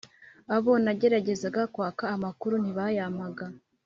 abo nageragezaga kwaka amakuru ntibayampaga